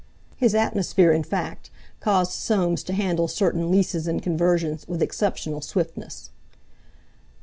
His atmosphere in fact caused Soames to handle certain leases and conversions with exceptional swiftness.